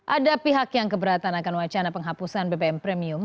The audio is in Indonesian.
ada pihak yang keberatan akan wacana penghapusan bbm premium